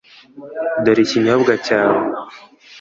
Dore ikinyobwa cyawe .